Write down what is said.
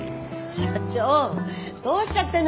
社長どうしちゃったの？